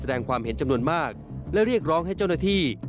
แสดงความเห็นจำนวนมากและเรียกร้องให้เจ้าหน้าที่